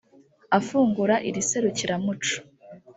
Afungura iri serukiramuco